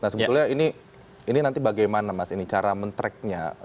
nah sebetulnya ini nanti bagaimana mas ini cara men tracknya